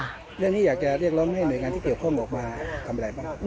เรื่องนี้อยากจะเรียกร้องให้หน่วยงานที่เกี่ยวข้องออกมาทำอะไรบ้าง